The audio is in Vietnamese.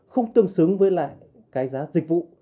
không tương xứng với lại cái giá dịch vụ